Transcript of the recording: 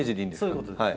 そういうことです。